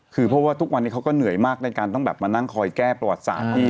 คือเพราะว่าทุกวันนี้เขาก็เหนื่อยมากในการต้องแบบมานั่งคอยแก้ประวัติศาสตร์พี่